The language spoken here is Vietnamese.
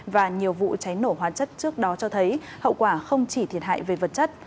và nhiều vụ cháy nổ hóa chất trước đó cho thấy hậu quả không chỉ thiệt hại về vật chất